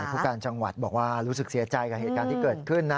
ผู้การจังหวัดบอกว่ารู้สึกเสียใจกับเหตุการณ์ที่เกิดขึ้นนะ